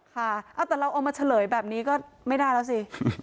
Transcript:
ค่ะแต่เราเอามาเฉลยแบบนี้ก็ไม่ได้แล้วสิ